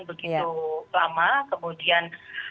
begitu lama kemudian